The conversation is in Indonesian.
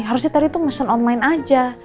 harusnya tadi tuh pesen online aja